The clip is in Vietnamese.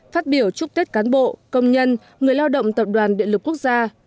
phát biểu chúc tết cán bộ công nhân người lao động tập đoàn điện lực quốc gia